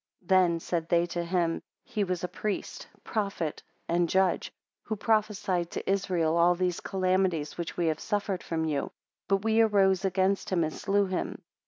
Then said they to him, He was a priest, prophet, and judge, who prophesied to Israel all these calamities which we have suffered from you; but we arose against him, and slew him.